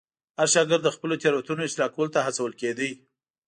هر شاګرد د خپلو تېروتنو اصلاح کولو ته هڅول کېده.